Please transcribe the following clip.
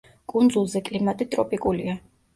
კუნძულზე კლიმატი ტროპიკულია.